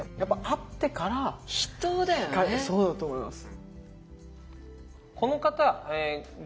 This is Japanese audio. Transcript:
そうだと思います。